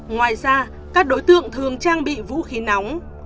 ngoài ra các đối tượng thường trang bị vũ khí nóng